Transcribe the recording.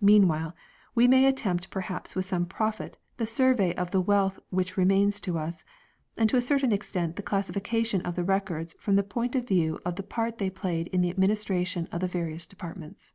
Meanwhile, we may attempt perhaps with some profit the survey of the wealth which remains to us ; and to a certain extent the classification of the Records from the point of view of the part they played in the administration of the various departments.